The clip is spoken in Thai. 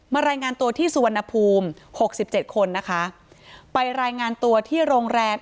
มารายงานตัวที่สวนภูมิ๖๗คนนะคะไปรายงานตัวที่โรงแรม